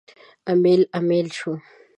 امیل، امیل شوی